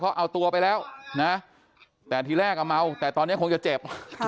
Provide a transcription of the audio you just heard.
เพราะเอาตัวไปแล้วนะแต่ทีแรกเมาแต่ตอนนี้คงจะเจ็บ